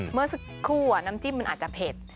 เมื่อสักครู่น้ำจิ้มมันอาจจะเผ็ด